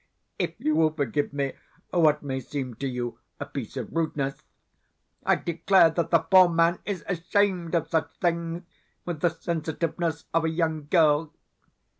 If you will forgive me what may seem to you a piece of rudeness, I declare that the poor man is ashamed of such things with the sensitiveness of a young girl.